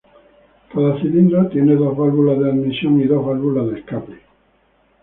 Cada cilindro tiene dos válvulas de admisión y dos válvulas de escape.